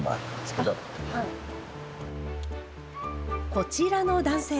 こちらの男性